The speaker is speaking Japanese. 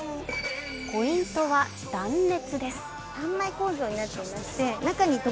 ポイントは断熱です。